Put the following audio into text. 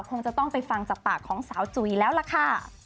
คงจะต้องไปฟังจากปากของสาวจุ๋ยแล้วล่ะค่ะ